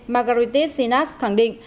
margaritis sinas khẳng định